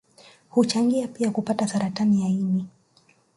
Huchangia pia kupata Saratani ya ini